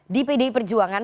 di pdi perjuangan